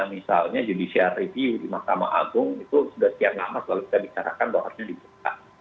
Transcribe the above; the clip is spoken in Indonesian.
misalnya judicial review di mahkamah agung itu sudah sekian lama selalu kita bicarakan bahwa harusnya dibuka